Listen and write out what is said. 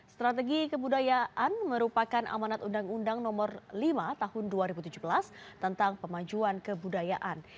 strategi kebudayaan merupakan amanat undang undang nomor lima tahun dua ribu tujuh belas tentang pemajuan kebudayaan